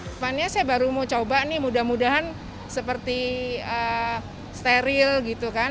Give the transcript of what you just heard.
kedepannya saya baru mau coba nih mudah mudahan seperti steril gitu kan